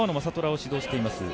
虎を指導しています